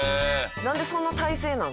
なんでそんな体勢なん？